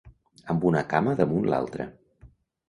Amb una cama damunt l'altra.